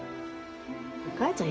お母ちゃん